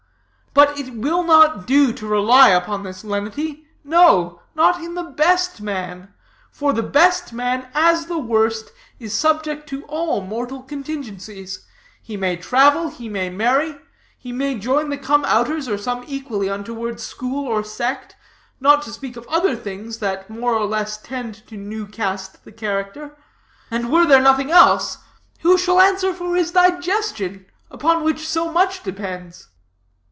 But it will not do to rely upon this lenity, no, not in the best man; for the best man, as the worst, is subject to all mortal contingencies. He may travel, he may marry, he may join the Come Outers, or some equally untoward school or sect, not to speak of other things that more or less tend to new cast the character. And were there nothing else, who shall answer for his digestion, upon which so much depends?"